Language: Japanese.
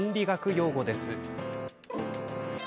用語です。